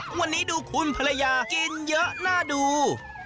วันนี้ดูคุณภรรยากินเยอะน่าดู